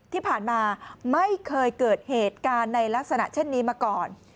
ที่ผ่านมาไม่เคยเกิดเหตุการณ์ในลักษณะเช่นนี้มาก่อน